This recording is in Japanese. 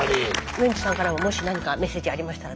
ウエンツさんからももし何かメッセージありましたらどうぞ。